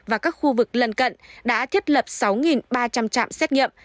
và các khu vực lân cận đã thiết lập sáu ba trăm linh trạm xét nghiệm